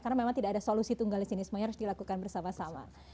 karena memang tidak ada solusi tunggal listrik ini semuanya harus dilakukan bersama sama